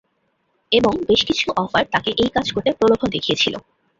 এবং বেশ কিছু অফার তাকে এই কাজ করতে প্রলোভন দেখিয়েছিল।